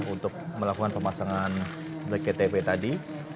untuk melakukan pemasangan bktp tadi